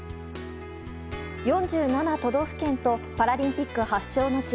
４７都道府県とパラリンピック発祥の地